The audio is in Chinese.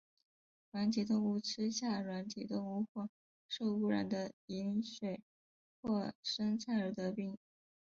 软体动物吃下软体动物或受污染的饮水或生菜而得病。